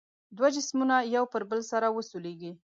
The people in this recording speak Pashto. دوه جسمونه یو پر بل سره وسولیږي.